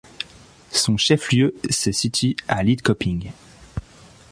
Son chef-lieu se situe à Lidköping.